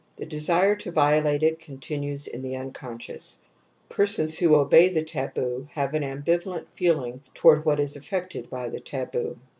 Tl;e desire to violate it continues in the unconscious j) persons who obey the taboo have an ambivalent 7 t^^ feeling toward what is affected by the taboo.